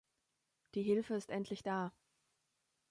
Die Hilfe ist endlich da.